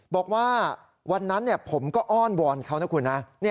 บอกว่าวันนั้นผมก็อ้อนวอนเขานะคุณนะ